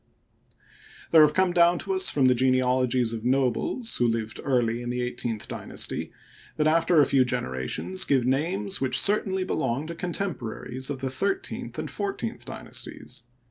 There have come down to us the genealogies of nobles who lived early in the eighteenth dynasty that after a few generations give names which certainly belonged to contemporaries of the thirteenth and fourteenth dynasties.